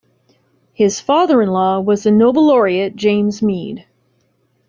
His father-in-law was the Nobel Laureate James Meade.